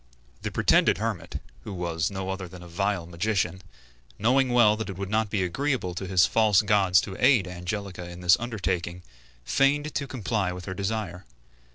The pretended hermit, who was no other than a vile magician, knowing well that it would not be agreeable to his false gods to aid Angelica in this undertaking, feigned to comply with her desire.